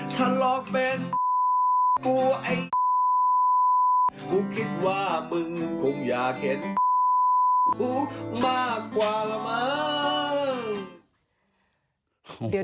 ถ้าหลอกเป็นกลัวไอ้กูคิดว่ามึงคงอยากเห็นกูมากกว่าละมั้ง